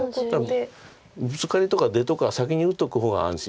ブツカリとか出とか先に打っとく方が。